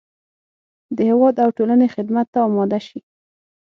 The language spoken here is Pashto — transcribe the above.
د هېواد او ټولنې خدمت ته اماده شي.